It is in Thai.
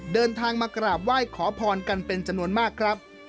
เดินทางมากราบไหว้ขอพรกันเป็นจำนวนมากครับ